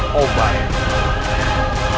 sehingga kau harus mendapatkan